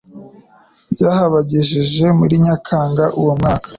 bwahabagejeje muri Nyakanga uwo mwaka